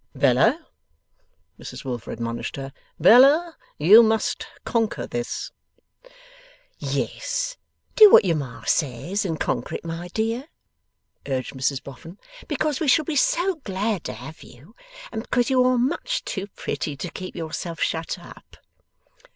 'Bella!' Mrs Wilfer admonished her; 'Bella, you must conquer this.' 'Yes, do what your Ma says, and conquer it, my dear,' urged Mrs Boffin, 'because we shall be so glad to have you, and because you are much too pretty to keep yourself shut up.